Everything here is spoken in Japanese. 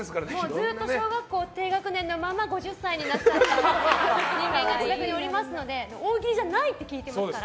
ずっと小学校低学年のまま大きくなった人間が近くにおりますので大喜利じゃないと聞いてますから。